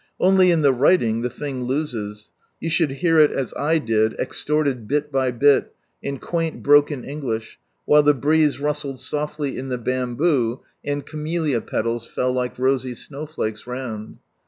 Only in the writing, the thing loses ; you should hear it as I did, extorted bit by bit, in quaint broken English, while the breeze rustled softly in the bamboo, and camellia petals fell like rosy snowflakes round.